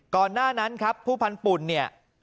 ก่อนหน้านั้นครับผู้พันธุ่นเนี่ย